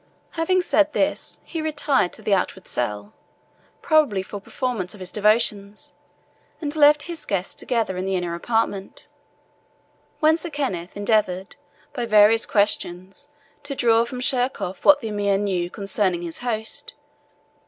Having said this, he retired to the outward cell, probably for performance of his devotions, and left his guests together in the inner apartment; when Sir Kenneth endeavoured, by various questions, to draw from Sheerkohf what that Emir knew concerning his host.